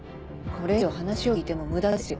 これ以上話を聞いても無駄ですよ。